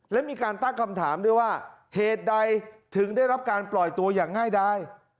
และมีการตั้งคำถามด้วยว่าเหตุใดถึงได้รับการปล่อยตัวอย่างง่ายดาย